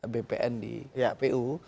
bpn di kpu